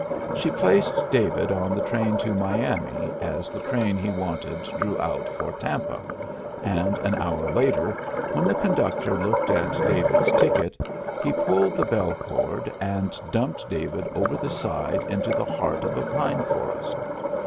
She placed David on the train to Miami as the train he wanted drew out for Tampa, and an hour later, when the conductor looked at David's ticket, he pulled the bell cord and dumped David over the side into the heart of a pine forest.